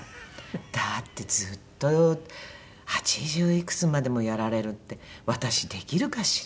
だってずっと八十いくつまでもやられるって私できるかしら？